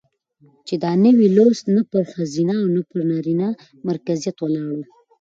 چې دا نوى لوست نه پر ښځينه او نه پر نرينه مرکزيت ولاړ و،